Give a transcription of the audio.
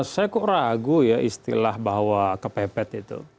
saya kok ragu ya istilah bahwa kepepet itu